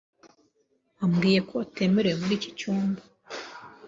Wabwiye ko atemerewe muri iki cyumba?